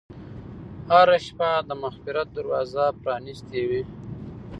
هره شپه د مغفرت دروازه پرانستې وي.